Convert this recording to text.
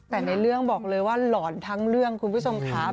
แต่ในเรื่องบอกเลยว่าหลอนทั้งเรื่องคุณผู้ชมครับ